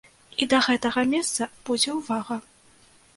І да гэтага месца будзе ўвага.